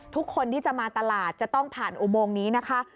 ทุกคนที่จะมาตลาดจะต้องผ่านอุโมงนี้นะคะ